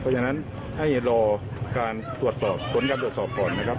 เพราะฉะนั้นให้รอการตรวจสอบผลการตรวจสอบก่อนนะครับ